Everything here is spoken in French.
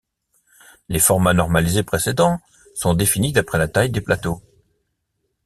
Les formats normalisés précédents sont définis d’après la taille des plateaux.